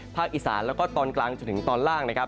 อีสานแล้วก็ตอนกลางจนถึงตอนล่างนะครับ